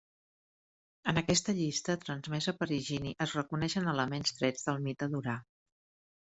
En aquesta llista, transmesa per Higini, es reconeixen elements trets del mite d'Urà.